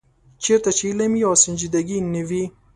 چېرته چې علم وي او سنجیدګي نه وي.